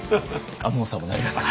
亞門さんもなりますか？